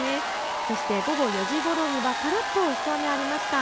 そして午後４時ごろにはぱらっと一雨ありました。